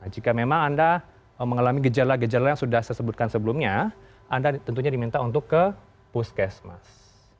jika memang anda mengalami gejala gejala yang sudah saya sebutkan sebelumnya anda tentunya diminta untuk ke puskesmas